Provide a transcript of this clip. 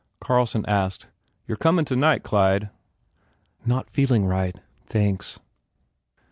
Carlson asked, "You re comin tonight, Clyde." "Not feeling right, thanks."